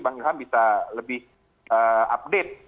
bang ilham bisa lebih update